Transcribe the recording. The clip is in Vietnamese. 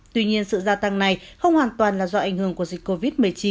tuy nhiên sự gia tăng này không hoàn toàn là do ảnh hưởng của dịch covid một mươi chín